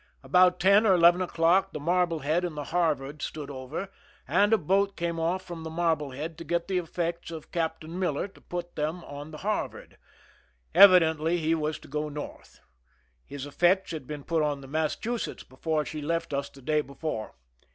About ten or eleven o'clock the Marblehead and the Harvard stood over, and a boat came off from the Marblehead to get the effects of Captain Miller to put them on the Harvard. Evidently he was to go North. His effects had been put on the Massachusetts before she left us the day before.